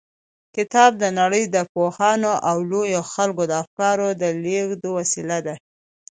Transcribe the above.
کتاب د نړۍ د پوهانو او لويو خلکو د افکارو د لېږد وسیله ده.